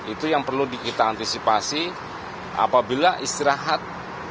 itu yang perlu kita antisipasi apabila istirahat